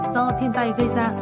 do thiên tai gây ra